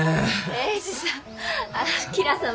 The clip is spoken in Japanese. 英治さん。